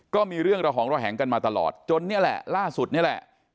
ก็มีเรื่องระหองระแหงกันมาตลอดจนนี่แหละล่าสุดนี่แหละ